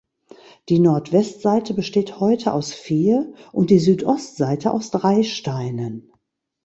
Die Nordwestseite besteht heute aus vier und die Südostseite aus drei Steinen.